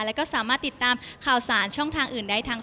แล้วก็สามารถติดตามข่าวสารช่องทางอื่นได้ทั้ง